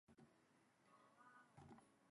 It also boasts a large park near the centre of town.